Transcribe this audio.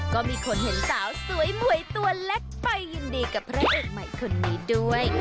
ก็มีคนเห็นสาวสวยหมวยตัวเล็กไปยินดีกับพระเอกใหม่คนนี้ด้วย